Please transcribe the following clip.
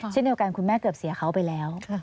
เช่นเดียวกันคุณแม่เกือบเสียเขาไปแล้ว